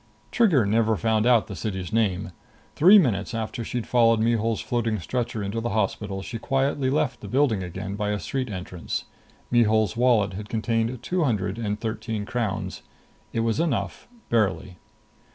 Trigger never found out the city's name. Three minutes after she'd followed Mihul's floating stretcher into the hospital, she quietly left the building again by a street entrance. Mihul's wallet had contained two hundred and thirteen crowns. It was enough, barely.